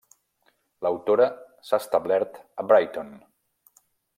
L'autora s'ha establert a Brighton.